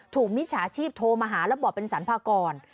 มิจฉาชีพโทรมาหาแล้วบอกเป็นสรรพากร